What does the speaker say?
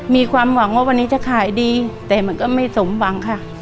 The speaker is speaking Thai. มีความหวังว่าวันนี้จะขายดีแต่มันก็ไม่สมหวังค่ะ